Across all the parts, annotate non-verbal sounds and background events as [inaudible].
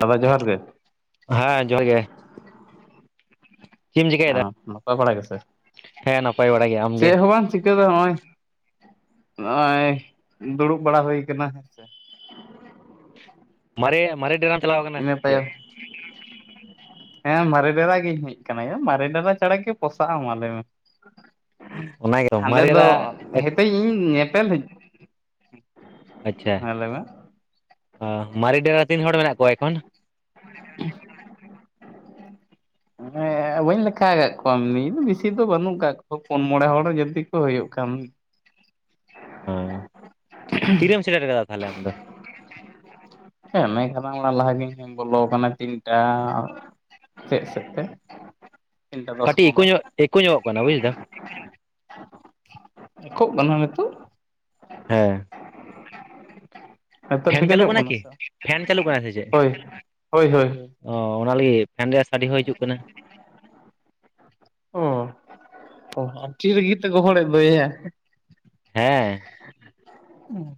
ᱫᱟᱫᱟ ᱡᱚᱦᱟᱨ ᱜᱮ᱾ ᱦᱟᱸ ᱡᱚᱦᱟᱨ ᱜᱮ᱾ ᱪᱮᱫ ᱮᱢ ᱪᱤᱠᱟᱹᱭᱮᱫᱟ ᱟᱢ ᱱᱟᱯᱟᱭ ᱵᱟᱲᱟ ᱜᱮᱥᱮ᱾ ᱦᱮᱸ ᱱᱟᱯᱟᱭ ᱵᱟᱲᱟ ᱜᱮ ᱟᱢᱜᱮ ᱪᱮᱜ ᱦᱚᱸ ᱵᱟᱝ ᱪᱤ ᱛᱚᱜ ᱫᱚ ᱦᱚᱼᱚᱭ ᱱᱚᱜᱼᱚᱭ ᱫᱩᱲᱩᱵ ᱵᱟᱲᱟ ᱦᱩᱭ ᱠᱟᱱᱟ ᱦᱮᱸ ᱥᱮ ᱾ ᱢᱟᱨᱮ ᱢᱟᱨᱮ ᱰᱮᱨᱟᱢ ᱪᱟᱞᱟᱣ ᱠᱟᱱᱟ? [unintelligible] ᱦᱮᱸ ᱢᱟᱨᱮ ᱰᱮᱨᱟ ᱜᱤᱧ ᱦᱮᱡ ᱠᱟᱱᱟ ᱭᱟ, ᱢᱟᱨᱮ ᱰᱮᱨᱟ ᱪᱷᱟᱲᱟ ᱠᱤ ᱯᱚᱥᱟᱜ ᱟ ᱢᱟᱞᱟᱹᱭ ᱢᱮ? ᱚᱱᱟᱜᱮᱛᱚ ᱦᱟᱸᱰᱮ ᱫᱚ ᱢᱟᱨᱮᱨᱟ ᱦᱮᱛᱮᱡ ᱤᱧ ᱧᱮᱯᱮᱞ ᱦᱤ ᱟᱪᱪᱷᱟ, ᱞᱟᱹᱭ ᱢᱮ ᱚ ᱢᱟᱨᱮ ᱰᱮᱨᱟ ᱛᱤᱱ ᱦᱚᱲ ᱢᱮᱱᱟᱜ ᱠᱚᱣᱟ ᱮᱠᱷᱚᱱ? [inaudible] ᱦᱮ ᱵᱟᱹᱧ ᱞᱮᱠᱷᱟ ᱠᱟᱜ ᱠᱚᱣᱟ ᱢᱤ ᱵᱮᱥᱤ ᱫᱚ ᱵᱟᱹᱱᱩᱜ ᱠᱟᱜ ᱠᱚ ᱯᱩᱱ ᱢᱚᱬᱮ ᱦᱚᱲ ᱡᱫᱤ ᱠᱩ ᱦᱩᱭᱩᱜ ᱠᱷᱟᱱ᱾ ᱟᱸ ᱛᱤᱨᱮᱢ ᱥᱮᱴᱮᱨ ᱠᱟᱫᱟ ᱛᱟᱦᱟᱞᱮ ᱟᱢᱫᱚ? ᱦᱮᱸ ᱢᱮᱱ ᱠᱟᱫᱟᱬᱟ ᱞᱟᱦᱟ ᱜᱤ ᱦᱮᱧ ᱵᱚᱞᱚ ᱟᱠᱟᱱᱟ ᱛᱤᱱᱴᱟ ᱥᱮᱡ ᱥᱮᱡ ᱮ ᱠᱟᱹᱴᱤ ᱤᱠᱳ ᱧᱚᱜ ᱮᱠᱳ ᱧᱚᱜᱚᱜ ᱠᱟᱱᱟ ᱵᱩᱡ ᱫᱟ᱾ [inaudible] ᱮᱠᱳᱜ ᱠᱟᱱᱟ ᱱᱤᱛᱚᱜ? ᱦᱮᱸ [unintelligible] ᱦᱮᱸᱛᱚᱜ ᱯᱷᱮᱱ ᱴᱷᱤᱠ ᱜᱮ ᱪᱟᱹᱞᱩᱜ ᱟᱡᱚᱢᱚᱜ ᱠᱟᱱᱟ ᱠᱤ ᱥᱮ ᱯᱷᱮᱱ ᱪᱟᱹᱞᱩᱜ ᱦᱳᱭ ᱦᱳᱭ ᱦᱳᱭ ᱚᱻ ᱚᱱᱟ ᱞᱟᱹᱜᱤᱫ ᱯᱷᱮᱱ ᱨᱮᱭᱟᱜ ᱥᱟᱰᱮ ᱦᱚᱸ ᱦᱤᱡᱩᱜ ᱠᱟᱱᱟ ᱚ ᱚ ᱟᱹᱰᱤ ᱨᱟᱜᱤ ᱛᱮ ᱜᱚᱦᱚᱲ ᱮᱱ ᱫᱚᱭᱟ ᱦᱮᱸ᱾ ᱩᱸ᱾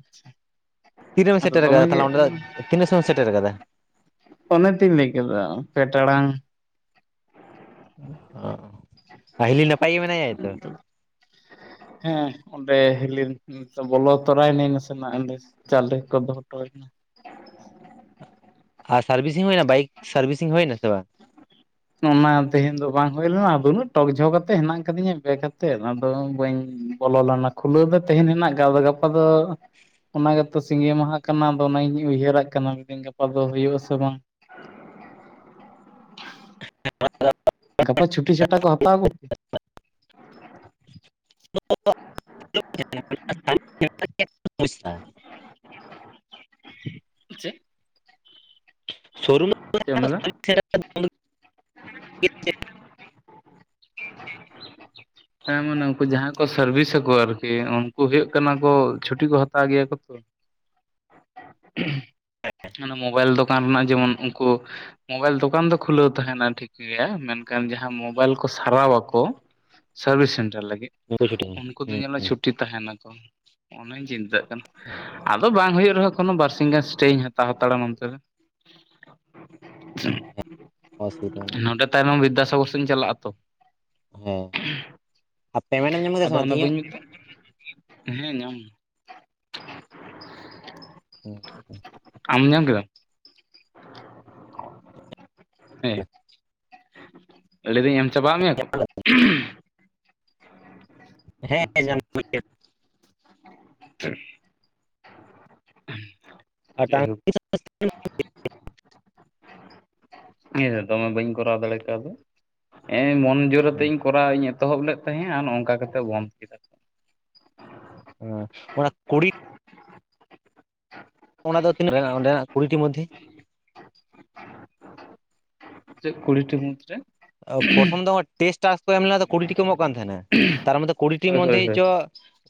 ᱛᱤᱨᱮᱢ ᱥᱮᱴᱮᱨ ᱟᱠᱟᱫᱟ ᱛᱟᱦᱟᱞᱮ ᱚᱸᱰᱮ ᱫᱚ ᱛᱤᱱᱟᱹ ᱥᱚᱢᱚᱭ ᱥᱮᱴᱮᱨ ᱟᱠᱟᱫᱟ? ᱚᱱᱟᱛᱚᱧ ᱞᱟᱹᱭ ᱠᱮᱫᱟ ᱯᱮ ᱴᱟᱲᱟᱝ᱾ ᱩᱸ ᱦᱚ ᱟ-ᱦᱤᱞᱤ ᱱᱟᱯᱟᱭ ᱜᱮ ᱢᱮᱱᱟᱭᱟᱭ ᱛᱚ᱾ ᱦᱮ, ᱚᱸᱰᱮ ᱦᱤᱞᱤ [unintelligible] ᱱᱤᱛᱚᱜ ᱵᱚᱞᱚ ᱛᱚᱨᱟᱭ ᱱᱟᱹᱧ ᱱᱟᱥᱮᱱᱟᱜ ᱮᱸᱰᱮ ᱪᱟᱞᱮ ᱠᱚ ᱫᱚᱦᱚᱴᱚ ᱦᱚᱭᱱᱟ᱾ ᱟ ᱥᱟᱨᱵᱤᱥᱤᱝ ᱦᱩᱭᱱᱟ ᱵᱟᱭᱤᱠ ᱥᱟᱨᱵᱤᱥᱤᱝ ᱦᱩᱭᱱᱟ ᱥᱮ ᱵᱟ? ᱚᱱᱟ ᱛᱮᱦᱮᱧ ᱫᱚ ᱵᱟᱝ ᱦᱩᱭ ᱞᱮᱱᱟ ᱫᱚᱢᱮ ᱴᱚᱠ ᱡᱷᱚᱠ ᱟᱛᱮᱜ ᱦᱮᱱᱟᱜ ᱟᱠᱟᱫᱤᱧᱟ ᱵᱮᱠ ᱟᱛᱮᱫ ᱟᱫᱚ ᱵᱟᱹᱧ ᱵᱚᱞᱚ ᱞᱮᱱᱟ ᱠᱷᱩᱞᱟᱹᱣ ᱫᱚ ᱛᱮᱦᱮᱱ ᱦᱮᱱᱟᱜ ᱜᱮ ᱟᱫᱚ ᱜᱟᱯᱟ ᱫᱚ ᱚᱱᱟ ᱜᱮᱛᱚ ᱥᱤᱸᱜᱮ ᱢᱟᱦᱟ ᱠᱟᱱᱟ ᱟᱫᱚ ᱚᱱᱟᱹᱧ ᱩᱭᱦᱟᱹᱨᱟᱜ ᱠᱟᱱᱟ ᱢᱤᱫᱤᱧ ᱜᱟᱯᱟ ᱫᱚ ᱦᱩᱭᱩᱜ ᱟ ᱥᱮ ᱵᱟᱝ? [inaudible] ᱜᱟᱯᱟ ᱪᱷᱩᱴᱤ ᱪᱷᱟᱴᱟ ᱠᱚ ᱦᱟᱛᱟᱣ ᱟᱠᱚ [unintelligible] ᱪᱮᱫ ᱥᱳᱨᱩᱢ ᱪᱮᱫ ᱮᱢ ᱞᱟᱹᱭ ᱫᱟ [unintelligible] [unintelligible] [inaudible] ᱦᱮᱸ ᱢᱟᱱᱮ ᱩᱱᱠᱩ ᱡᱟᱦᱟᱸᱭ ᱠᱚ ᱥᱟᱨᱵᱷᱤᱥᱟᱠᱚ ᱟᱨᱠᱤ ᱩᱱᱠᱩ ᱦᱩᱭᱩᱜ ᱠᱟᱱᱟ ᱠᱚ ᱪᱷᱩᱴᱤ ᱠᱚ ᱦᱟᱛᱟᱣ ᱜᱮᱭᱟ ᱠᱚ ᱛᱚ ᱚᱱᱟ ᱢᱚᱵᱟᱭᱤᱞ ᱫᱚ ᱫᱚᱠᱟᱱ ᱨᱮᱱᱟᱜ ᱡᱮᱢᱚᱱ ᱩᱱᱠᱩ ᱢᱳᱵᱟᱭᱤᱞ ᱫᱚᱠᱟᱱ ᱫᱚ ᱠᱷᱩᱞᱟᱹᱣ ᱛᱟᱦᱮᱱᱟ ᱴᱷᱤᱠ ᱜᱮᱭᱟ ᱢᱮᱱᱠᱷᱟᱱ ᱡᱟᱦᱟᱸ ᱢᱳᱵᱟᱭᱤᱞ ᱥᱟᱨᱣᱟ ᱠᱚ ᱥᱟᱨᱵᱷᱤᱥ ᱥᱮᱱᱴᱟᱨ ᱞᱟᱹᱜᱤᱫ, ᱦᱩᱸ ᱩᱱᱠᱩ ᱫᱚ ᱧᱮᱞ ᱦᱩᱸ ᱢᱮ ᱪᱷᱩᱴᱤ ᱛᱟᱦᱮᱱᱟ ᱠᱚ ᱚᱱᱟᱧ ᱪᱤᱱᱛᱟᱹᱜ ᱠᱟᱱᱟ ᱟᱫᱚ ᱵᱟᱝ ᱦᱩᱭᱩᱜ ᱨᱮᱦᱚᱸ ᱠᱳᱱᱳ ᱵᱟᱨᱥᱤ ᱜᱟᱱ ᱥᱴᱮᱧ ᱦᱟᱛᱟᱣ ᱦᱟᱛᱟᱲᱟ ᱱᱚᱱ ᱛᱮ ᱨᱮ ᱚᱥᱩᱵᱤᱫᱟ ᱵᱟᱹᱱᱩᱜᱼᱟ ᱱᱚᱰᱮ ᱛᱟᱭᱚᱢ ᱵᱤᱫᱽᱫᱟᱥᱟᱜᱚᱨ ᱥᱮᱫ ᱪᱟᱞᱟᱜ ᱟᱛᱚ ᱦᱮᱸ ᱟᱨ ᱯᱮᱢᱮᱱᱴ ᱮᱢ ᱧᱟᱢ ᱠᱮᱫᱟ ᱥᱮ ᱟᱫᱚ ᱵᱟᱝ ᱚᱱᱮ ᱛᱤᱦᱤᱧᱚᱜ? ᱵᱟᱹᱧ ᱢᱮᱛᱟᱜ ᱦᱮᱸ ᱧᱟᱢ [unintelligible] [unintelligible] ᱟᱢ ᱧᱟᱢ ᱠᱮᱫᱟᱢ ᱦᱮᱸ ᱞᱟᱹᱭ ᱫᱟᱹᱧ ᱮᱢ ᱪᱟᱵᱟ ᱟᱫ ᱢᱮᱭᱟ ᱠᱚ ᱦᱮᱸ ᱟᱪᱷᱟ ᱧᱟᱢ ᱟᱪᱷᱟ ᱡᱟᱭ ᱦᱳᱠ ᱱᱤᱭᱟ. ᱫᱷᱟᱣ ᱫᱚ ᱢᱟ ᱵᱟᱹᱧ ᱠᱚᱨᱟᱣ ᱫᱟᱲᱮ ᱠᱟᱣᱫᱟ ᱮ ᱢᱚᱱ ᱡᱳᱨ ᱟᱛᱮᱫ ᱠᱚᱨᱟᱣ ᱤᱧ ᱮᱛᱚᱦᱚᱵ ᱞᱮᱫ ᱛᱟᱦᱮᱸᱜᱻᱟ ᱟᱨ ᱱᱚᱝᱠᱟ ᱠᱟᱛᱮ ᱵᱚᱱᱫ ᱠᱮᱫᱟ ᱚ ᱚᱱᱟ ᱠᱩᱲᱤ- ᱚᱱᱟ ᱫᱚ ᱛᱤᱱᱟᱹᱜ ᱜᱟᱱ ᱚᱰᱮᱱᱟᱜ ᱠᱩᱲᱤᱴᱤ ᱢᱚᱫᱽ ᱫᱷᱮ ᱪᱮᱫ ᱠᱩᱲᱤᱴᱤ ᱢᱩᱫᱽ ᱨᱮ ᱯᱨᱚᱛᱷᱚᱢ ᱫᱚ ᱴᱮᱥᱴ ᱠᱚ ᱮᱢ ᱞᱮ ᱠᱩᱲᱤᱴᱤᱤ ᱠᱚ ᱮᱢᱚᱜ ᱠᱟᱱ ᱛᱟᱦᱮᱱᱟ ᱛᱟᱨ ᱢᱚᱫᱽᱫᱷᱮ ᱠᱩᱲᱤᱴᱤ ᱦᱳᱭ ᱢᱚᱫᱽᱷᱮ ᱦᱳᱭ ᱪᱮᱫ ᱦᱳᱭ ᱪᱚ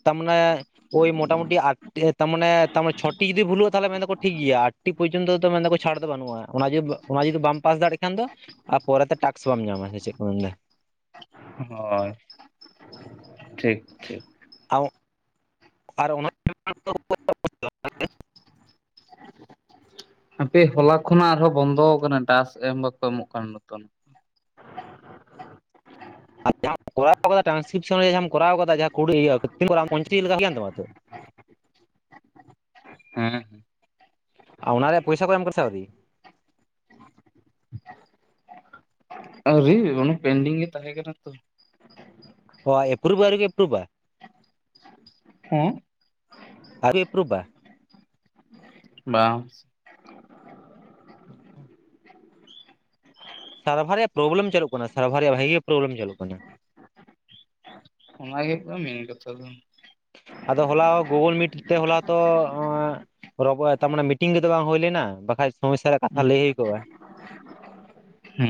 ᱛᱟᱨᱢᱟᱱᱮ ᱳᱭ ᱢᱚᱴᱟᱢᱩᱴᱤ ᱟᱴᱴᱤ ᱛᱟᱨ ᱢᱟᱱᱮ ᱛᱟᱨᱮ ᱪᱷᱚᱴᱤ ᱡᱩᱫᱤ ᱵᱷᱩᱞᱩᱜᱼᱟ ᱛᱟᱦᱚᱞᱮ ᱢᱮᱱ ᱫᱟᱠᱚ ᱴᱷᱤᱠ ᱜᱮᱭᱟ ᱟ [unintelligible] ᱯᱳᱡᱚᱱ ᱛᱚ ᱢᱮᱱ ᱫᱟᱠᱚ ᱛᱚ ᱪᱷᱟᱲ ᱫᱚ ᱵᱟᱹᱱᱩᱜᱼᱟ ᱚᱱᱟ ᱡᱩᱫᱤ ᱵᱟᱢ ᱯᱟᱥ ᱫᱟᱲᱮᱭᱟᱜ ᱠᱷᱟᱱ ᱫᱚ ᱟᱨ ᱯᱚᱨᱮ ᱛᱮ [unintelligible] [unintelligible] ᱵᱟᱢ ᱧᱟᱢᱟ ᱥᱮ ᱪᱮᱫ ᱠᱚᱢ ᱢᱮᱱ [unintelligible] ᱦᱳᱭ ᱴᱷᱤᱠ ᱴᱷᱤᱠ [unintelligible] ᱟᱨ [unintelligible] [inaudible] ᱦᱟᱯᱮ ᱦᱚᱞᱟ ᱠᱷᱚᱱᱟᱜ ᱟᱨᱦᱚᱸ ᱵᱚᱱᱫᱚ ᱟᱠᱟᱱᱟ ᱴᱟᱠᱥ ᱮᱢ ᱵᱟᱠᱚ ᱮᱢᱚᱜ ᱠᱟᱱᱟ [unintelligible] ᱟᱨ ᱡᱟᱦᱟᱸ ᱟᱢ ᱠᱚᱨᱟᱣ ᱠᱟᱫᱟ ᱴᱨᱟᱱᱥ ᱠᱨᱤᱯᱥᱚᱱ ᱨᱮ ᱡᱟᱦᱟᱸ ᱟᱢ ᱠᱚᱨᱣ ᱠᱟᱫᱟ ᱡᱟᱦᱟᱸ [unintelligible] ᱤᱭᱟᱹ [unintelligible] ᱦᱮᱸ ᱟᱨ ᱚᱱᱟ ᱨᱮᱭᱟᱜ ᱯᱚᱭᱥᱟ ᱠᱚ ᱮᱢ ᱠᱟᱫᱟ ᱥᱮ ᱟᱹᱣᱨᱤ ᱟᱹᱣᱨᱤ ᱚᱱᱮ ᱯᱮᱱᱰᱤᱝ ᱜᱮ ᱛᱟᱦᱮᱸ ᱠᱟᱱᱟ ᱛᱚ ᱚ ᱮᱯᱨᱩᱵ ᱜᱮ ᱟᱹᱣᱨᱤ ᱠᱚ ᱮᱯᱨᱩᱵ ᱟ ᱦᱮᱸ ᱟᱣᱨᱤ ᱮᱯᱨᱩᱰ ᱟ ᱵᱟᱝ [inaudible] [unintelligible] ᱥᱟᱨᱵᱷᱟᱨ ᱨᱮᱭᱟᱜ ᱯᱨᱚᱵᱞᱮᱢ ᱪᱟᱹᱞᱩᱜ ᱠᱟᱱᱟ ᱥᱟᱨᱵᱷᱟᱨ ᱨᱮᱭᱟᱜ ᱵᱷᱟᱹᱜᱮ ᱯᱨᱳᱵᱚᱞᱮᱢ ᱪᱟᱹᱞᱩᱜ ᱠᱟᱱᱟ ᱚᱱᱟᱜᱮ ᱦᱳ ᱠᱟᱱᱟ ᱢᱮᱱ ᱠᱟᱛᱷᱟ ᱫᱚ [unintelligible] ᱟᱫᱚ ᱦᱚᱞᱟ ᱜᱳᱜᱳᱞ ᱢᱤᱴ ᱛᱮ ᱦᱚᱞᱟ ᱛᱚ ᱦᱚᱸ ᱨᱚᱵᱚᱜᱼᱟ ᱛᱟᱨᱢᱟᱱᱮ ᱢᱤᱴᱤᱝ ᱛᱮᱫᱚ ᱵᱟᱝ ᱦᱩᱭ ᱞᱮᱱᱟ ᱵᱟᱠᱷᱟᱡ ᱥᱚᱢᱚᱥᱥᱟ ᱨᱮᱭᱟᱜ ᱠᱟᱛᱷᱟ ᱞᱟᱹᱭ ᱦᱩᱭ ᱠᱚᱜᱼᱟ ᱦᱩ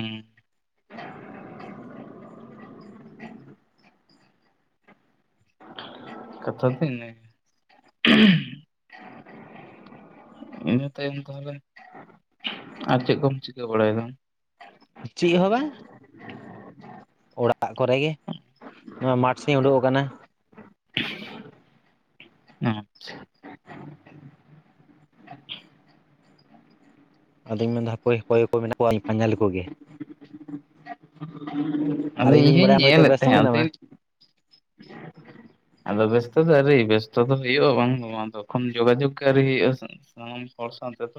ᱠᱟᱛᱷᱟ ᱫᱚ ᱤᱱᱟ [inaudible] ᱤᱱᱟᱹ ᱛᱟᱭᱚᱢ ᱛᱟᱦᱚᱞᱮ ᱟᱨ ᱪᱮᱫ ᱠᱚᱢ ᱪᱤᱠᱟᱹ ᱵᱟᱲᱟᱭᱮᱫᱟ [inaudible] ᱪᱮᱜ ᱦᱚᱸ ᱵᱟᱝ ᱚᱲᱟᱜ ᱠᱚᱨᱮᱜᱮ ᱱᱚᱣᱟ ᱢᱟᱴᱷ ᱥᱮ ᱤᱧ ᱩᱰᱩᱠ ᱠᱟᱱᱟ ᱧ [unintelligible] ᱟᱫᱚᱧ ᱢᱮᱱᱫᱟ ᱚᱠᱚᱭ ᱚᱠᱚᱭ ᱠᱚ ᱢᱮᱱᱟᱜ ᱠᱚᱣᱟ ᱯᱟᱧᱡᱟᱞᱤ ᱠᱚᱜᱮ [unintelligible] ᱟᱫᱚ ᱟᱨ ᱤᱧ ᱤᱧᱫᱤᱧ ᱦᱚᱧ ᱵᱟᱲᱟᱭᱟ ᱦᱚᱭᱛᱳ ᱧᱮᱞᱮᱫ ᱵᱮᱥ ᱛ ᱛᱟᱦᱮᱸᱫ ᱟᱫᱚᱧ ᱢᱮᱱᱟᱢᱟ ᱟᱫᱚ ᱵᱮᱥᱛᱚ ᱫᱚ ᱟᱹᱣᱨᱤ ᱵᱮᱥᱛᱚ ᱫᱚ ᱦᱩᱭᱩᱜᱼᱟ ᱵᱟᱝ ᱱᱚᱣᱟ ᱫᱚ ᱵᱟᱝ ᱛᱚ ᱠᱷᱚᱱ ᱡᱳᱜᱟᱡᱳᱜ ᱜᱮ ᱟᱣᱨᱤ ᱦᱳᱭᱳᱜᱼᱟ ᱥᱮ᱾ ᱥᱟᱱᱟᱢ ᱦᱚᱲ ᱥᱟᱶ ᱛᱮ ᱛᱚ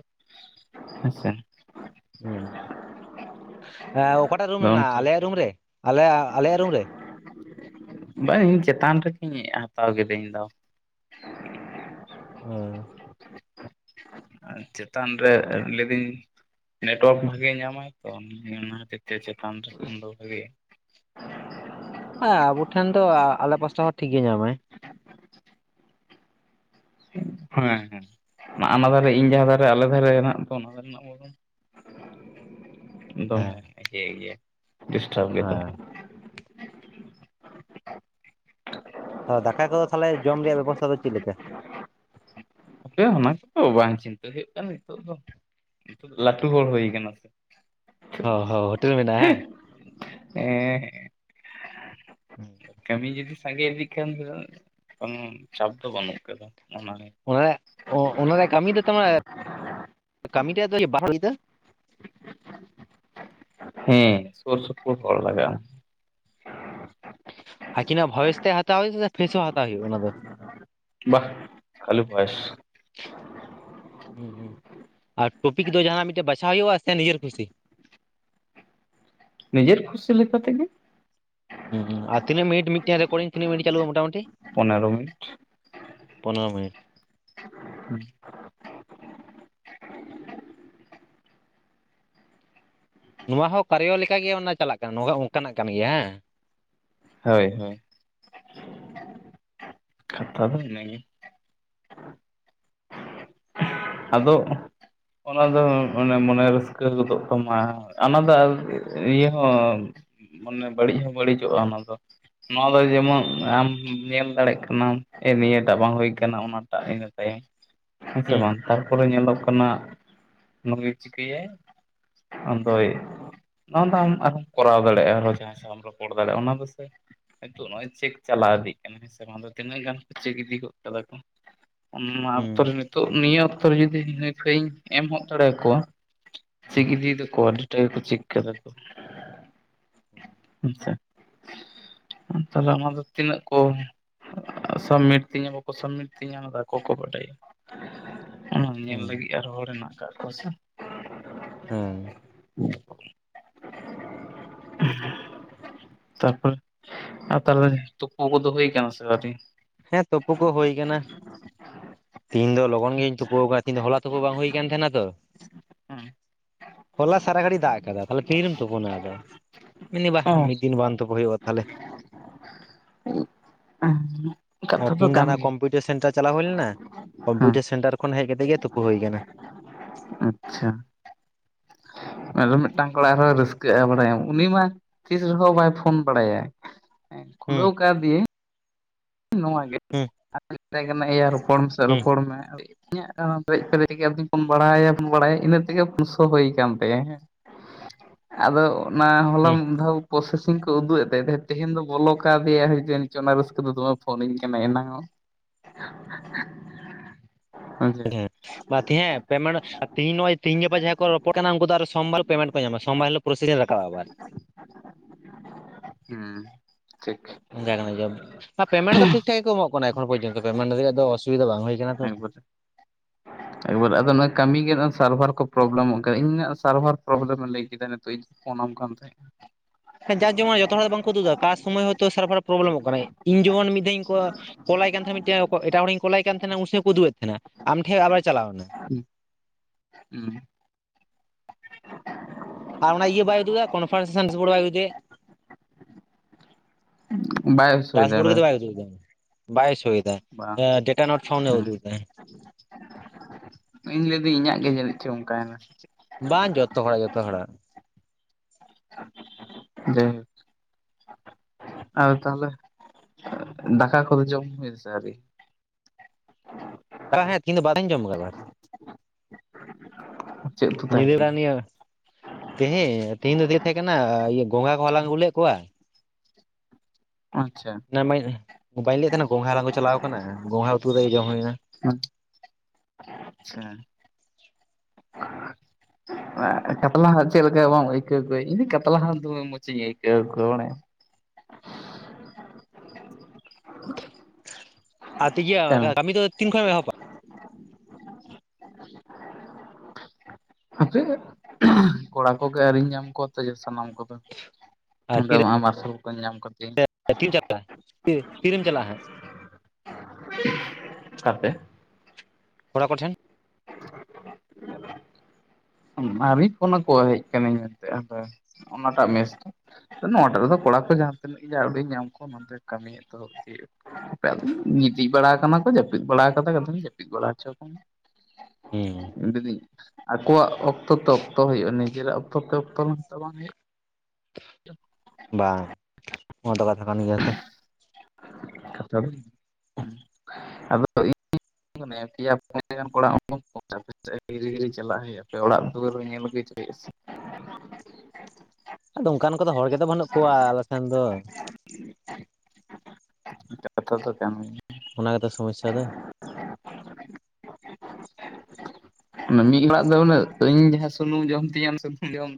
ᱦᱮᱸᱥᱮ ᱦᱮᱸ ᱚᱠᱟᱴᱟᱜ ᱨᱩᱢ ᱟᱫᱚ ᱨᱮ ᱢᱮᱱᱟᱜᱼᱟ? ᱚᱱᱠᱟ ᱟᱞᱮᱭᱟᱜ ᱞᱮᱠᱟ ᱨᱩᱢ ᱨᱮ ᱟᱞᱮ ᱟᱞᱮᱭᱟᱜ ᱨᱩᱢ ᱨᱮ? ᱵᱟᱝ ᱤᱧ ᱪᱮᱛᱟᱱ ᱨᱮᱜᱮᱧ ᱦᱟᱛᱟᱣ ᱠᱤᱫᱟᱹ ᱤᱧ ᱫᱚ ᱚᱻ ᱪᱮᱛᱟᱱ ᱨᱮ ᱞᱟᱹᱭᱫᱟᱹᱧ ᱱᱮᱴᱣᱟᱨᱠ ᱵᱷᱟᱜᱮ ᱧᱟᱢᱟᱭ ᱛᱚ ᱚᱱᱟ ᱛᱮ ᱛᱮ ᱪᱮᱛᱟᱱ ᱨᱮ ᱠᱷᱚᱱ ᱫᱚ ᱵᱷᱟᱜᱮᱜ-ᱟ᱾ ᱵᱟ ᱟᱵᱚ ᱴᱷᱮᱱ ᱫᱚ ᱟᱞᱮ ᱯᱟᱥᱴᱟ ᱦᱚᱸ ᱴᱷᱤᱠ ᱜᱮ ᱧᱟᱢᱟᱭ᱾ ᱦᱮᱸ ᱦᱮᱸ ᱚᱱᱟ ᱫᱷᱟᱨᱮ ᱤᱧ ᱡᱟᱦᱟᱸ ᱫᱷᱟᱨᱮ ᱟᱞᱮ ᱫᱷᱟᱨᱮ ᱢᱮᱱᱟᱜ ᱠᱚ ᱚᱱᱟ ᱫᱷᱟᱨᱮ ᱨᱮᱱᱟᱜ ᱵᱚᱨᱚᱱ ᱫᱚᱢᱮ ᱦᱮᱸ ᱮᱡᱮ ᱮᱭᱟ ᱰᱤᱥᱴᱟᱵ ᱜᱮᱛᱟᱢᱟ ᱦᱮᱸ ᱾ ᱛᱚ ᱫᱟᱠᱟ ᱠᱚᱫᱚ ᱛᱟᱦᱚᱞᱮ ᱡᱚᱢ ᱨᱮᱭᱟᱜ ᱵᱮᱵᱚᱥᱛᱷᱟ ᱫᱚ ᱪᱮᱫ ᱞᱤᱠᱟ? ᱟᱯᱮ ᱚᱱᱟ ᱠᱚᱫᱚ ᱵᱟᱝ ᱪᱤᱱᱛᱟᱹ ᱦᱩᱭᱩᱜ ᱠᱟᱱᱟ ᱱᱤᱛᱚᱜ ᱫᱚ ᱱᱤᱛ ᱞᱟᱹᱴᱩ ᱦᱚᱲ ᱦᱩᱭᱩ ᱠᱟᱱᱟ ᱥᱮ ᱚ ᱦᱚᱸ ᱦᱳᱴᱮᱞ ᱢᱮᱱᱟᱜ-ᱟ ᱦᱮᱸ ᱦᱮᱸ ᱦᱮᱸ ᱠᱟᱹᱢᱤ ᱡᱩᱫᱤ ᱥᱟᱝᱜᱮ ᱤᱫᱤᱜ ᱮᱠᱷᱮᱱ ᱨᱮ ᱠᱚᱱᱳ ᱪᱟᱯ ᱫᱚ ᱵᱟᱹᱱᱩᱜ ᱟᱠᱟᱫᱟ ᱚᱱᱟᱨᱮ ᱚᱱᱟᱨᱮ ᱚᱱᱟ ᱨᱮᱭᱟᱜ ᱠᱟᱹᱢᱤ ᱫᱚ ᱛᱟᱢᱟᱨ ᱠᱟᱹᱢᱤ ᱨᱮᱭᱟᱜ ᱫᱚ ᱵᱟᱝ ᱦᱩᱭᱟ ᱦᱮᱸ ᱥᱩᱨ ᱥᱩᱨᱯᱩᱨ ᱠᱚᱲ ᱞᱟᱜᱟᱼᱟ᱾ ᱟᱹᱠᱤᱱᱟᱜ ᱵᱷᱚᱭᱮᱥ ᱛᱮ ᱦᱟᱛᱟᱣ ᱦᱩᱭᱩᱜᱼᱟ, ᱥᱮ ᱯᱷᱮᱥ ᱦᱚᱸ ᱦᱟᱛᱟᱣ ᱦᱩᱭᱩᱜᱼᱟ ᱚᱱᱟ ᱫᱚ᱾ ᱠᱷᱟᱞᱩ ᱵᱚᱭᱮᱥ ᱦᱩᱸ ᱦᱩᱸ ᱟᱨ ᱴᱚᱯᱤᱠ ᱫᱚ ᱡᱟᱦᱟᱸ ᱢᱤᱴᱟᱝ ᱵᱟᱪᱷᱟᱣ ᱦᱩᱭᱩᱜᱼᱟ᱾ ᱥᱮ ᱱᱤᱡᱮᱨ ᱠᱩᱥᱤ ᱱᱤᱡᱮᱨ ᱠᱷᱩᱥᱤ ᱞᱮᱠᱟᱛᱮᱦᱚ᱾ ᱦᱩᱸ ᱦᱩᱸ ᱟᱨ ᱛᱤᱱᱜ ᱢᱤᱱᱴ ᱢᱤᱫᱴᱮᱱ ᱨᱮ ᱠᱚᱨᱝ ᱛᱱᱟᱹ ᱢᱤᱱᱤᱴ ᱪᱟᱞᱩᱜᱼᱟ᱾ ᱢᱚᱴᱟᱢᱩᱴᱤ ᱯᱚᱱᱮᱨᱚ ᱢᱤᱱᱤᱴ ᱯᱚᱱᱮᱨᱚ ᱢᱤᱱᱤᱴ ᱦᱩᱸ᱾ ᱱᱚᱣᱟ ᱦᱚᱸ ᱠᱟᱨᱤᱭᱚ ᱞᱮᱠᱟᱜᱮ ᱚᱱᱟ ᱪᱟᱞᱟᱜ ᱠᱟᱱᱟ ᱚᱱᱠᱟᱱᱟᱜ ᱠᱟᱱ ᱜᱮᱭᱟ ᱦᱟᱸ? ᱦᱳᱭ ᱦᱳᱭ ᱠᱟᱛᱷᱟ ᱫᱚ ᱤᱱᱟᱹ ᱜᱮ ᱟᱫᱚ ᱚᱱᱟ ᱫᱚ ᱚᱱᱮ ᱢᱚᱱᱮ ᱨᱟᱹᱥᱠᱟᱹ ᱜᱚᱫᱚᱜ ᱛᱟᱢᱟ᱾ ᱚᱱᱟ ᱫᱚ ᱤᱭᱟᱹ ᱦᱚᱸ ᱢᱟᱱᱮ ᱵᱟᱹᱲᱤᱡ ᱦᱚᱸ ᱵᱟᱹᱲᱤᱡᱚᱜ-ᱟ ᱚᱱᱟ ᱫᱚ᱾ ᱱᱚᱣᱟ ᱫᱚ ᱡᱮᱢᱚᱱ ᱟᱢ ᱧᱮᱞ ᱫᱟᱲᱮᱭᱟᱜ ᱠᱟᱱᱟᱢ, ᱱᱤᱭᱟᱹ ᱴᱟᱜ ᱵᱟᱝ ᱦᱳᱭ ᱠᱟᱱᱟ, ᱚᱱᱟᱴᱟᱜ ᱦᱮᱡ ᱱᱟ ᱛᱟᱭᱚᱢ᱾ ᱦᱮᱸᱥᱮ ᱵᱟᱝ, ᱛᱟᱨᱯᱚᱨᱮ ᱧᱮᱞᱚᱜ ᱠᱟᱱᱟ᱾ ᱱᱚᱮ ᱪᱤᱠᱟᱹᱭᱟᱭ ᱚᱫᱚᱭ ᱱᱚᱣᱟ ᱫᱚ ᱟᱢ ᱟᱨᱢ ᱠᱚᱨᱟᱣ ᱫᱟᱲᱮᱭᱟᱜᱼᱟ᱾ ᱟᱨᱦᱚ ᱡᱟᱦᱟᱸᱭ ᱥᱟᱢ ᱨᱚᱯᱚᱲ ᱫᱟᱲᱮᱭᱟᱜᱼᱟ᱾ ᱚᱱᱟ ᱫᱚᱥᱮ ᱦᱳ ᱱᱚᱜᱼᱚᱭ ᱪᱮᱠ ᱪᱟᱞᱟᱣ ᱤᱫᱤᱜ ᱠᱟᱱᱟ᱾ ᱱᱚᱣᱟ ᱫᱚ ᱛᱤᱱᱟᱹᱜ ᱜᱟᱱ ᱠᱚ ᱪᱮᱠ ᱤᱫᱜᱚ ᱠᱟᱫᱟ ᱠᱚ᱾ ᱱᱟᱣᱟ ᱦᱩᱸ ᱚᱠᱛᱚᱨᱮ ᱱᱤᱛᱚᱜ ᱱᱤᱭᱜ ᱱᱤᱛᱳᱜ ᱡᱩᱫᱤ ᱦᱟᱺᱭ ᱯᱷᱟᱺᱭᱤᱧ ᱮᱢ ᱦᱚᱜ ᱫᱟᱲᱮ ᱠᱚᱣᱟ ᱦᱩᱸ [unintelligible] ᱟᱹᱰᱤ ᱴᱟ ᱜᱮᱠᱚ ᱪᱮᱠ ᱠᱮᱫᱟᱠᱚ ᱦᱩᱸ ᱟᱪᱪᱷᱟ ᱟ ᱛᱟᱞᱦᱮ ᱟᱢᱟᱜ ᱫᱚ ᱛᱤᱱᱟᱹᱜ ᱠᱚ? ᱥᱟᱵᱢᱤᱴ ᱛᱤᱧᱟᱹ ᱵᱟᱠᱚ ᱥᱟᱵᱢᱤᱴ ᱛᱤᱧᱟᱹ ᱚᱱᱟ ᱫᱚ ᱟᱠᱚ ᱠᱚ ᱵᱟᱰᱟᱭᱟ ᱚᱱᱟ ᱧᱮᱞ ᱦᱩᱸ ᱞᱟᱹᱜᱤᱜ ᱟᱨᱦᱚᱸ ᱦᱚᱲ ᱢᱮᱱᱟᱜ ᱠᱟᱜ ᱠᱚᱣᱟ ᱥᱮ᱾ ᱦᱩᱸ ᱛᱟᱨᱯᱚᱨᱮ ᱟᱨ ᱛᱟᱞᱦᱮ ᱛᱩᱯᱩ ᱠᱚᱫᱚ ᱦᱩᱭ ᱠᱟᱱᱟ ᱥᱮ ᱟᱹᱣᱨᱤ? ᱦᱮᱸ ᱛᱩᱯᱩ ᱠᱚ ᱦᱩᱭ ᱟᱠᱟᱱᱟ ᱛᱮᱦᱤᱧ ᱫᱚ ᱞᱚᱜᱚᱱ ᱜᱤᱧ ᱛᱩᱯᱚᱣᱠᱟ ᱛᱤᱱᱫᱚ ᱦᱚᱞᱟ ᱛᱩᱯᱩ ᱵᱟᱝ ᱦᱩᱭ ᱠᱟᱱ ᱛᱟᱦᱮᱸᱱᱟ ᱛᱚ᱾ ᱦᱮᱸ ᱦᱚᱞᱟ ᱥᱟᱨᱟ ᱜᱷᱟᱹᱲᱤᱜ ᱫᱟᱜ ᱟᱠᱟᱫᱟ ᱛᱟᱦᱚᱞᱮ ᱛᱤᱨᱮᱢ ᱛᱩᱯᱩᱱᱟ ᱟᱫᱚ? ᱢᱤᱱᱤ ᱵᱟ ᱢᱤᱫᱤᱱ ᱵᱟᱝ ᱛᱩᱯᱩ ᱦᱩᱭᱩᱜᱼᱟ ᱛᱟᱦᱚᱞᱮ᱾ [inaudible] ᱟᱨ ᱛᱤᱦᱤᱧ ᱫᱚ ᱠᱟᱱ ᱦᱟᱱᱟ ᱜᱮᱭᱟ ᱠᱚᱢᱯᱤᱭᱩᱴᱟᱨ ᱥᱮᱱᱴᱟᱨ ᱪᱟᱞᱟᱣ ᱦᱩᱭ ᱞᱮᱱᱟ ᱠᱚᱢᱯᱤᱭᱩᱴᱟᱨ ᱦᱮᱸ ᱥᱮᱱᱴᱟᱨ ᱠᱷᱚᱱ ᱦᱮᱡ ᱠᱟᱛᱮᱜ ᱜᱮ ᱛᱩᱯᱩ ᱦᱩᱭ ᱟᱠᱟᱱᱟ᱾ ᱟᱪᱪᱷᱟ ᱟᱨᱚ ᱢᱤᱜᱴᱟᱝ ᱠᱚᱲᱟ ᱟᱨᱦᱚᱸᱭ ᱨᱟᱹᱥᱠᱟᱹᱜᱼᱟ ᱵᱟᱲᱟᱭᱟᱢ ᱩᱱᱤ ᱢᱟ ᱛᱤᱥ ᱨᱮᱦᱚᱸ ᱵᱟᱭ ᱯᱷᱳᱱ ᱵᱟᱲᱟᱭᱟ ᱦᱮᱸ ᱦᱩᱸ ᱠᱷᱩᱞᱟᱹᱣ ᱠᱟᱣᱫᱮᱭᱟᱹᱧ ᱱᱚᱣᱟ ᱜᱮ ᱦᱩᱸ [unintelligible] ᱢᱮᱛᱟᱭ ᱠᱟᱱᱟ ᱮᱭᱟ ᱨᱚᱯᱚᱲ ᱢᱮᱥᱮ ᱦᱩᱸ ᱨᱚᱯᱚᱲ ᱢᱮ᱾ [unintelligible] ᱤᱱᱟᱹ ᱛᱮᱜᱮ ᱯᱩᱱᱥᱚ ᱦᱩᱭ ᱟᱠᱟᱱ ᱛᱟᱭᱟ ᱦᱮᱸ ᱟᱫᱚ ᱚᱱᱟ ᱦᱚᱞᱟᱢ ᱫᱷᱟᱹᱣ ᱯᱨᱚᱥᱮᱥᱤᱝ ᱠᱚ ᱩᱫᱩᱜ ᱮᱫ ᱛᱟᱭ ᱛᱮᱦᱮᱸᱜ ᱛᱮᱦᱮᱧ ᱫᱚ ᱵᱚᱞᱚ ᱠᱟᱣᱫᱮᱣᱟ ᱦᱮᱸ ᱡᱟᱹᱱᱤᱡ ᱪᱚ ᱚᱱᱟ ᱨᱟᱹᱥᱠᱟᱹᱛᱮ ᱫᱚᱢᱮ ᱯᱷᱳᱱᱟᱹᱧ ᱠᱟᱱᱟᱭ ᱮᱱᱟᱝ-ᱚᱜ ᱦᱮᱸ ᱵᱟ ᱛᱮᱦᱮᱯ ᱯᱮᱢᱮᱱᱴ ᱛᱤᱦᱤᱧ ᱱᱚᱜᱼᱚᱭ ᱛᱤᱦᱤᱧ ᱜᱟᱯᱟ ᱡᱟᱦᱟᱸᱭ ᱠᱚ ᱨᱚᱯᱚᱲ ᱠᱟᱱᱟ ᱩᱝᱠᱩ ᱫᱚ ᱟᱨᱚ ᱥᱚᱢᱵᱟᱨ ᱯᱮᱢᱮᱱᱴ ᱠᱚ ᱧᱟᱢᱟ ᱥᱚᱢᱵᱟᱨ ᱦᱤᱞᱳᱜ ᱯᱨᱳᱥᱤᱨᱟ [unintelligible] ᱦᱚᱸ ᱚᱱᱠᱟ ᱠᱟᱱᱟ ᱡᱚᱵ ᱟ ᱯᱮᱢᱮᱱᱴ ᱫᱚ ᱴᱷᱤᱠ ᱴᱷᱟᱠ ᱜᱮ ᱠᱚ ᱮᱢᱚᱜ ᱠᱟᱱᱟ ᱮᱠᱷᱚᱱ ᱯᱚᱨᱡᱚᱱᱛᱚ ᱯᱮᱢᱮᱱᱴ ᱨᱮᱭᱟᱜ ᱫᱟ ᱚᱥᱩᱵᱤᱫᱷᱟ ᱵᱟᱝ ᱦᱩᱭ ᱠᱟᱱᱟ ᱛᱚ᱾ ᱮᱠᱵᱟᱨᱮ ᱮᱠᱵᱟᱨ ᱟᱫᱚ ᱱᱚᱣᱟ ᱠᱟᱹᱢᱤ ᱜᱮ ᱥᱟᱨᱵᱷᱟᱨ ᱠᱚ ᱯᱨᱚᱵᱞᱮᱢᱚᱜ ᱠᱟᱱᱟ ᱤᱧᱟᱹᱜ ᱥᱟᱨᱵᱷᱟᱨ ᱯᱨᱚᱵᱞᱮᱢ ᱞᱟᱹᱭ ᱠᱮᱫᱟ ᱱᱤᱛᱚᱜ ᱤᱧ ᱯᱷᱳᱱᱟᱢ ᱠᱟᱱ ᱛᱟᱦᱮᱸᱡ ᱡᱟ ᱡᱮᱢᱚᱱ ᱡᱚᱛᱚ ᱦᱚᱲᱟᱜ ᱫᱚ ᱵᱟᱝᱠᱚ ᱩᱫᱩᱜ ᱫᱟ ᱠᱟ ᱥᱚᱢᱚᱭ ᱦᱚᱭᱛᱳ ᱥᱟᱨᱵᱷᱟᱨ ᱯᱨᱚᱵᱞᱮᱢᱚᱜ ᱠᱟᱱᱟᱭ ᱤᱧ ᱡᱢᱚᱱ ᱢᱤᱫ ᱫᱷᱟᱣ ᱠᱚ ᱠᱚᱞᱟᱭ ᱠᱟᱱ ᱛᱟᱸᱦᱮ ᱢᱤᱜᱴᱮ ᱮᱴᱟᱜ ᱦᱚᱲᱤᱧ ᱠᱚᱞᱟᱭ ᱠᱟᱱ ᱛᱟᱦᱮᱱᱟ ᱩᱱᱥᱚ ᱦᱚᱸ ᱠᱚ ᱩᱫᱩᱜ ᱮᱜ ᱛᱟᱦᱮᱱᱟ ᱟᱢᱴᱷᱮᱜ ᱟᱵᱟᱨ ᱪᱟᱞᱟᱣᱱᱟ᱾ ᱛᱟᱦᱮᱸᱫ ᱦᱩᱸ ᱟᱨ ᱚᱱᱟ ᱤᱭᱟᱹ ᱵᱟᱭ ᱩᱫᱩᱜ ᱫᱟ ᱠᱚᱱᱯᱷᱟᱨᱥᱮᱥᱮᱱ [unintelligible] ᱵᱟᱭ ᱥᱳᱭᱫᱟ ᱰᱟᱥᱵᱳᱲ ᱜᱮ ᱛᱚ ᱵᱟᱭ ᱩᱫᱩᱜ ᱫᱟ᱾ ᱵᱟᱭ ᱥᱳᱭ ᱫᱟ ᱵᱟᱝ ᱮᱸ ᱫᱟ ᱰᱮᱴᱟ ᱱᱚᱴ ᱯᱷᱟᱭᱩᱱᱰ ᱮ ᱦᱩᱸ ᱩᱫᱩᱜ ᱫᱟ᱾ ᱤᱧ ᱞᱟᱹᱭ ᱫᱟᱹᱧ ᱤᱧᱟᱹᱜ ᱜᱮ ᱡᱟᱱᱤᱜ ᱪᱚ ᱚᱝᱠᱟᱭᱱᱟ᱾ ᱵᱟᱝ ᱡᱚᱛᱚ ᱦᱚᱲᱟᱜ ᱡᱚᱛᱚ ᱦᱚᱲᱟᱜ ᱡᱟᱭ ᱦᱳᱠ ᱟᱫᱚ ᱛᱟᱦᱚᱞᱮ ᱫᱟᱠᱟ ᱠᱚᱫᱚ ᱡᱚᱢ ᱦᱩᱭᱱᱟ ᱥᱮ ᱟᱹᱣᱨᱤ? [unintelligible] ᱛᱤᱦᱤᱧ ᱫᱚ ᱵᱟᱹᱞᱤᱧ ᱵᱟᱝᱤᱧ ᱡᱚᱢ ᱟᱵᱟᱨ ᱪᱮᱫ ᱩᱛᱩ ᱛᱟᱦᱮᱸ ᱧᱤᱫᱟᱹ ᱵᱮᱲᱟ ᱠᱟᱱᱟ ᱱᱤᱭᱟᱹ ᱛᱮᱦᱮ ᱛᱮᱦᱤᱧ ᱫᱚ ᱫᱤᱭᱮ ᱛᱟᱦᱮᱸ ᱠᱟᱱᱟ ᱤᱭᱟᱹ ᱜᱚᱝᱜᱷᱟ ᱠᱚ ᱦᱟᱞᱟᱝ ᱟᱹᱜᱩ ᱞᱮᱫ ᱠᱚᱣᱟ᱾ ᱟᱪᱪᱷᱟ ᱱᱮ ᱢᱟᱹᱭ ᱵᱟᱹᱧ ᱞᱟᱹᱭᱮᱫ ᱛᱟᱦᱮᱱᱟ ᱜᱚᱝᱜᱷᱟ ᱦᱟᱞᱟᱝ ᱠᱚ ᱪᱟᱞᱟᱣ ᱟᱠᱟᱱᱟ ᱜᱚᱝᱜᱷᱟ ᱩᱛᱩ ᱠᱟᱛᱮ ᱡᱚᱢ ᱦᱩᱭᱱᱟ ᱦᱩᱸ ᱪᱷᱟ ᱮᱸ ᱠᱟᱛᱞᱟ ᱦᱚᱸᱜ ᱪᱮᱜ ᱞᱮᱠᱟ ᱵᱟᱢ ᱟᱹᱭᱠᱟᱹᱣ ᱠᱚᱣᱟᱹᱤᱧ ᱤᱧ ᱫᱚ ᱠᱟᱛᱞᱟ ᱦᱟᱸ ᱫᱚᱢᱮ ᱢᱚᱡ ᱤᱧ ᱟᱹᱭᱠᱟᱹᱣ ᱠᱚᱣᱟ ᱵᱟᱲᱟᱭᱟᱢ᱾ ᱟᱨᱛᱤ ᱜᱮᱭᱟᱹ ᱠᱟᱹᱢᱤ ᱫᱚ ᱛᱤᱱ ᱠᱷᱚᱡ ᱮᱢ ᱮᱦᱚᱵᱚᱟ? [inaudible] ᱦᱟᱯᱮ ᱠᱚᱲᱟ ᱠᱚᱜᱮ ᱟᱹᱣᱨᱤᱧ ᱧᱟᱢ ᱠᱚᱣᱟ ᱛᱮ ᱥᱟᱱᱟᱢ ᱠᱚᱫᱚ ᱟᱨ ᱚᱸᱰᱮ ᱛᱤᱨᱮ ᱢᱟ ᱢᱟᱨᱥᱟᱞ ᱠᱚ ᱧᱟᱢ ᱠᱟᱫᱤᱧ ᱛᱤᱱ ᱛᱤᱨᱮᱢ ᱪᱟᱞᱟᱜᱼᱟ ᱦᱟᱸᱜ ᱠᱟᱛᱮ ᱠᱚᱲᱟ ᱠᱚᱴᱷᱮᱱ [inaudible] ᱢᱟᱨᱤ ᱠᱱᱚ ᱠᱚ ᱦᱮᱡ ᱟᱠᱟᱱᱟᱹᱧ ᱮᱱᱛᱮ ᱚᱱᱟᱴᱟᱜ ᱢᱮᱥ ᱨᱮ᱾ ᱱᱚᱣᱟ ᱴᱟᱜ ᱨᱮᱫᱚ ᱠᱚᱲᱟ ᱠᱚ ᱡᱟᱦᱟᱸ ᱛᱤᱱᱟᱹᱜ ᱜᱮ ᱟᱹᱣᱰᱤᱧ ᱧᱟᱢ ᱠᱚᱣᱟ ᱚᱱᱟᱛᱮ ᱠᱟᱹᱢᱤᱭᱮᱫ ᱫᱚᱦᱚᱵ ᱟᱮᱭᱟᱜ ᱜᱤᱛᱤᱡ ᱵᱟᱲᱟ ᱟᱠᱟᱱᱟ ᱠᱚ ᱡᱟᱹᱯᱤᱫ ᱵᱟᱲᱟ ᱠᱟᱫᱟᱛᱷᱟᱧ ᱡᱟᱹᱯᱤᱫ ᱵᱟᱲᱟ ᱦᱚᱪᱚ ᱟᱡᱚᱢ ᱦᱩᱸ ᱫᱤ ᱫᱤ᱾ ᱟᱠᱚᱣᱟᱜ ᱚᱠᱛᱚ ᱛᱮᱚ ᱚᱠᱛᱚ ᱦᱩᱭᱩᱜᱼᱟ ᱱᱤᱡᱮᱨᱟᱜ ᱚᱠᱛᱚ ᱛᱮ ᱚᱠᱛᱚ ᱵᱟᱝ ᱦᱩᱭᱩᱜᱼᱟ ᱵᱟᱝ ᱚᱱᱟ ᱫᱚ ᱠᱟᱛᱷᱟ ᱠᱟᱱ ᱜᱮᱭᱟ ᱛᱚ ᱠᱟᱷᱟ ᱟᱫᱚ ᱤᱧ ᱱᱮ ᱯᱤᱭᱟ ᱯᱚᱱᱭᱟ ᱠᱚᱲᱟ ᱦᱤᱨᱤ ᱦᱤᱨᱤ ᱪᱟᱞᱟᱜ ᱦᱩᱭᱩᱜ ᱟᱯᱮ ᱚᱲᱟᱜ ᱫᱩᱣᱟᱹᱨ ᱧᱮᱞ ᱟᱜᱩᱭ ᱯᱮ ᱟᱫᱚ ᱚᱱᱠᱟᱱ ᱠᱚᱫᱚ ᱦᱚᱲ ᱜᱮᱛᱚ ᱵᱟᱹᱱᱩᱜ ᱠᱚᱣᱟ ᱟᱞᱮ ᱥᱮᱱ ᱫᱚ ᱠᱟᱛᱷᱟ ᱛ ᱠᱟᱱ ᱜᱤᱭᱟ [unintelligible] ᱚᱱᱟ ᱜᱮᱛ ᱥᱚᱢᱚᱥᱥᱟ ᱫᱚ ᱢᱤᱫ ᱦᱚᱲᱟᱜ ᱫᱚ ᱩᱱᱟᱹᱜ ᱤᱧ ᱡᱟᱦᱟᱸ ᱥᱩᱱᱩᱢ ᱡᱚᱢ ᱛᱤᱧᱟᱹ ᱥᱩᱱᱩᱢ ᱡᱚᱢ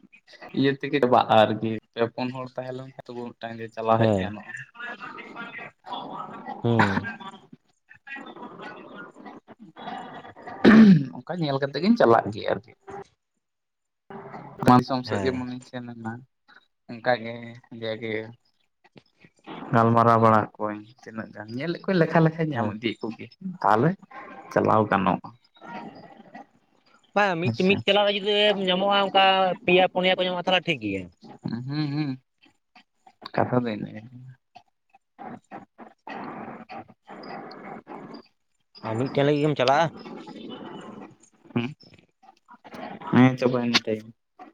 ᱤᱭᱟᱹ ᱛᱮᱜᱮ ᱪᱟᱵᱟᱜᱼᱟ ᱟᱨᱠᱤ ᱯᱮ ᱯᱩᱱ ᱦᱚᱲ ᱛᱟᱦᱮᱸ ᱞᱮᱱᱠᱷᱟᱱ ᱛᱚ ᱢᱤᱫᱴᱟᱝ ᱜᱮ ᱪᱟᱞᱟᱣ ᱦᱮᱡ ᱦᱮᱸ ᱜᱟᱱᱚᱜᱼᱟ ᱚ [inaudible] ᱦᱩᱸ ᱚᱱᱠᱟ ᱧᱮᱞ ᱠᱟᱛᱮ ᱜᱤᱧ ᱪᱟᱞᱟᱜ ᱜᱮᱭᱟ ᱟᱨᱠᱤ᱾ ᱢᱟᱥᱚᱢ ᱥᱮᱫ ᱦᱮᱸ ᱡᱮᱢᱚᱱᱤᱧ ᱥᱮᱱᱟ ᱚᱱᱠᱟᱜᱮ ᱡᱟᱜᱮ ᱜᱟᱞᱢᱟᱨᱟᱣ ᱵᱟᱲᱟ ᱠᱚᱣᱣᱟᱧ ᱛᱤᱱᱟᱹᱜ ᱜᱟᱱ ᱧᱮᱞᱮᱫ ᱠᱚᱣᱟᱧ ᱞᱮᱠᱷᱟ ᱞᱮᱠ ᱧᱟᱢ ᱦᱮᱸ ᱤᱫᱤ ᱠᱚᱜᱮ ᱛᱟᱦᱚᱞᱮ ᱪᱟᱞᱟᱣ ᱜᱟᱱᱚᱜᱼᱟ᱾ ᱦᱮᱸ ᱢᱤᱫ ᱟᱪᱪᱷᱟ ᱢᱤᱫ ᱪᱟᱞᱟᱜ ᱨᱮ ᱡᱩᱫᱤ ᱧᱟᱢᱚᱜᱼᱟ ᱚᱱᱠᱟ ᱯᱮᱭᱟ ᱯᱩᱱᱭᱟ ᱠᱚ ᱧᱟᱢᱚᱜᱼᱟ ᱛᱟᱦᱚᱞᱮ ᱴᱷᱤᱠ ᱜᱮᱭᱟ ᱦᱩᱸ ᱦᱩᱸ ᱠᱟᱛᱷᱟ ᱫᱚ ᱤᱱᱟᱹᱜᱮ ᱟᱨ ᱢᱤᱫᱴᱮᱱ ᱞᱟᱹᱜᱤᱫ ᱜᱮᱢ ᱪᱟᱞᱟᱜᱼᱟ ᱦᱩᱸ ᱦᱮᱸ ᱪᱟᱵᱟᱭᱮᱱᱟ ᱴᱟᱭᱤᱢ᱾